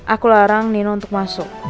aku larang nino untuk masuk